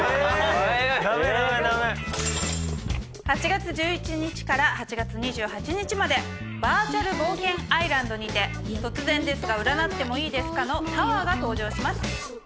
８月１１日から８月２８日までバーチャル冒険アイランドにて『突然ですが占ってもいいですか？』のタワーが登場します。